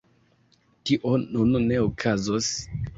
Tio nun ne okazos.